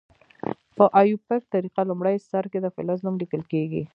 په آیوپک طریقه لومړي سر کې د فلز نوم لیکل کیږي.